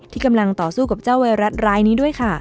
ที่กำลังต่อสู้กับเจ้าไวรัสรายนี้ด้วยค่ะ